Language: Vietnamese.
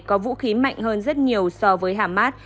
có vũ khí mạnh hơn rất nhiều so với hamas